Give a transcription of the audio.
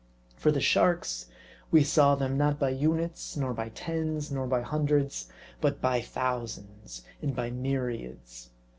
For the sharks, we saw them, not by units, nor by tens, nor by hundreds ; but by thousands and by myriads.